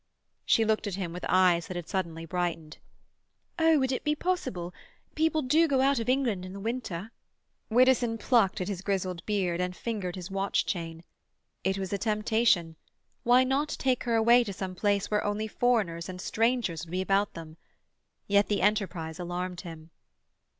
She looked at him with eyes that had suddenly brightened. "Oh! would it be possible? People do go out of England in the winter." Widdowson plucked at his grizzled beard and fingered his watch chain. It was a temptation. Why not take her away to some place where only foreigners and strangers would be about them? Yet the enterprise alarmed him.